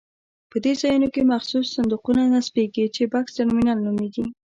په دې ځایونو کې مخصوص صندوقونه نصبېږي چې بکس ترمینل نومېږي.